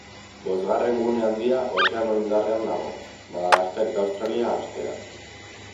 Bosgarren gune handia Ozeano Indiarrean dago, Madagaskar eta Australia artean.